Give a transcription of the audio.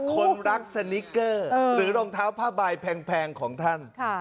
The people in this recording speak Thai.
คนรักสนิกเกอร์หรือรองเท้าผ้าใบแพงของท่าน